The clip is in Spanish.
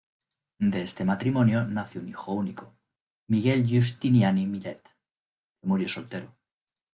De este matrimonio nació un hijo único, Miguel Giustiniani Millet, que murió soltero.